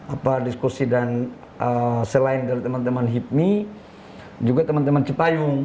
apa diskusi dan selain dari teman teman hipmi juga teman teman cipayung